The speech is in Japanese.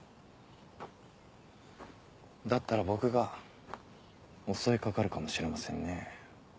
だったら僕が襲い掛かるかもしれませんね。